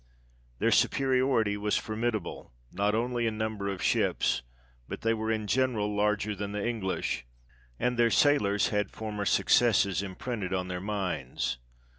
Their superiority was for midable, not only in number of ships, but they were in general larger than the English ; and their sailors had former successes imprinted on their minds.